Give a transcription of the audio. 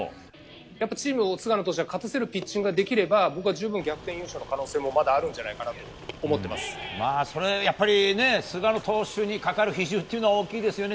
チームが菅野投手を勝たせるピッチングができれば僕は十分に逆転優勝の可能性もまだあるんじゃないかなとそれでも、やっぱり菅野投手にかかる比重というのは大きいですよね。